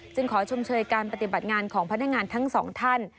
ขอชมเชยการปฏิบัติงานของพนักงานทั้งสองท่าน